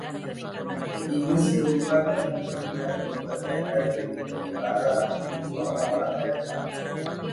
Ini serupa dengan tujuan dibuatnya kain pelindung kepala milik orang-orang Eropa.